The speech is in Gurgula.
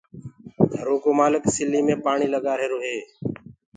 گھرو ڪو مآلڪ سليٚ مي پآڻيٚ لگآهيرو هي